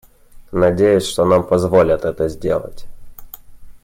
Надеюсь, что нам позволят это сделать.